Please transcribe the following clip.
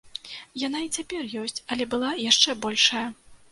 Яна і цяпер ёсць, але была яшчэ большая.